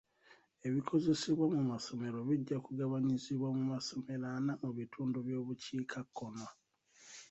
Ebikozesebwa mu masomero bijja kugabanyizibwa mu masomero ana mu bitundu by'obukiikakkono.